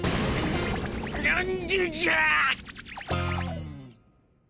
何でじゃ！